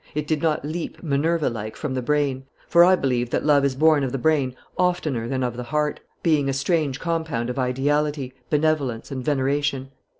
It did not leap, Minerva like, from the brain; for I believe that love is born of the brain oftener than of the heart, being a strange compound of ideality, benevolence, and veneration.